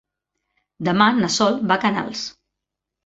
Demà na Sol va a Canals.